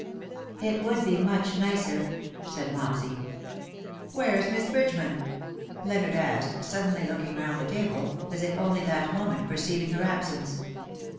" It would be much nicer," said Mopsy. " Where's Miss Bridgeman ?" Leonard asked suddenly, looking round the table, as if only that moment perceiving her absence.